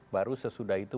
baru sesudah itu